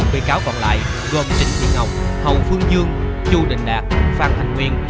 bốn bị cáo còn lại gồm trịnh thiên ngọc hậu phương dương chu đình đạt phan thành nguyên